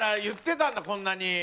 言ってたんだこんなに。